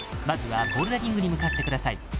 まずはボルダリングに向かってください